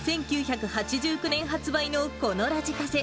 １９８９年発売の、このラジカセ。